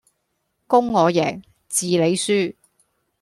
公我贏,字你輸